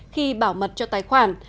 khi bảo mật cho tài khoản